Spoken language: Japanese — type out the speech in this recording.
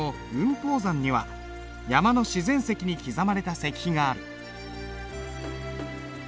峰山には山の自然石に刻まれた石碑がある。